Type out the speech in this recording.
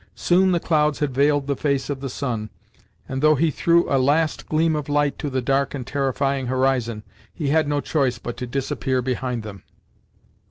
Soon the clouds had veiled the face of the sun, and though he threw a last gleam of light to the dark and terrifying horizon, he had no choice but to disappear behind them.